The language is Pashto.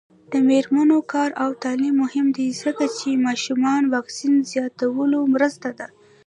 د میرمنو کار او تعلیم مهم دی ځکه چې ماشومانو واکسین زیاتولو مرسته ده.